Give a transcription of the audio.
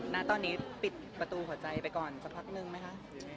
ณตอนนี้ปิดประตูหัวใจไปก่อนสักพักนึงไหมคะ